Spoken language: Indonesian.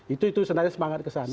itu sebenarnya semangat kesana